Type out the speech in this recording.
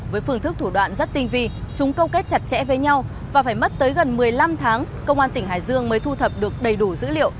với phương thức thủ đoạn rất tinh vi chúng câu kết chặt chẽ với nhau và phải mất tới gần một mươi năm tháng công an tỉnh hải dương mới thu thập được đầy đủ dữ liệu